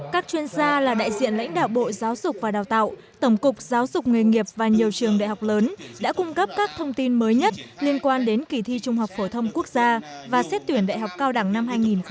các chuyên gia là đại diện lãnh đạo bộ giáo dục và đào tạo tổng cục giáo dục nghề nghiệp và nhiều trường đại học lớn đã cung cấp các thông tin mới nhất liên quan đến kỳ thi trung học phổ thông quốc gia và xét tuyển đại học cao đẳng năm hai nghìn một mươi chín